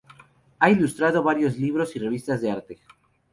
Ha ilustrado varios libros y revistas de arte.